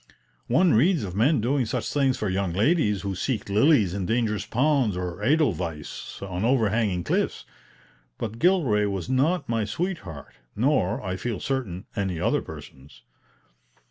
One reads of men doing such things for young ladies who seek lilies in dangerous ponds or edelweiss on overhanging cliffs. But Gilray was not my sweetheart, nor, I feel certain, any other person's.